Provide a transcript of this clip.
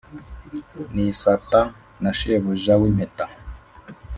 n’isata na shebuja w’impeta